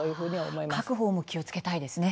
書く方も気を付けたいですね。